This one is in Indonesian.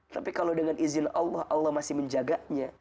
tapi kalau dengan izin allah allah masih menjaganya